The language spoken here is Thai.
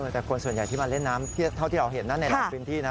แต่คนส่วนใหญ่ที่มาเล่นน้ำเท่าที่เราเห็นนะในหลายพื้นที่นะ